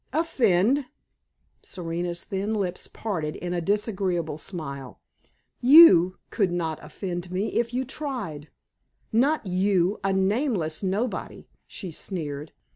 "Offend?" Serena's thin lips parted in a disagreeable smile. "You could not offend me if you tried; not you a nameless nobody!" she sneered.